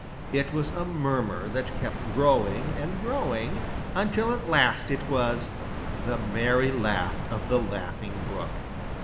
It was a murmur that kept growing and growing, until at last it was the merry laugh of the Laughing Brook.